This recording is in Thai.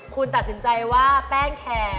คุณตัดสินใจว่าแป้งแคร์